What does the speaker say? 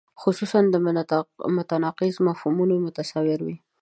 خصوصاً متناقض مفهومونه متصور وي.